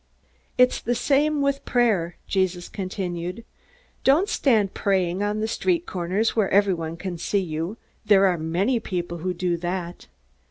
"It's the same with prayer," Jesus continued. "Don't stand praying on the street corners where everyone can see you. There are many people who do that.